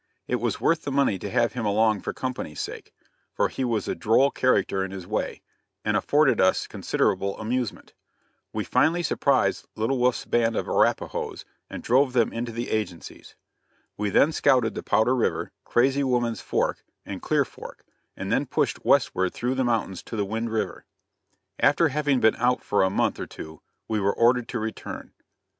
It was worth the money to have him along for company's sake, for he was a droll character in his way, and afforded us considerable amusement. We finally surprised Little Wolf's band of Arapahoes and drove them into the agencies. We then scouted the Powder river, Crazy Woman's Fork, and Clear Fork, and then pushed westward through the mountains to the Wind river. After having been out for a month or two we were ordered to return.